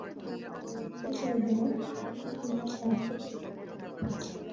Alec ঐদিন বিকালের জন্য স্টিভেন লিনের কাছ থেকে ধার করেছিল।